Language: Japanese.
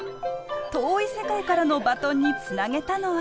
遠い世界からのバトンにつなげたのは。